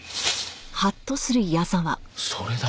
それだ！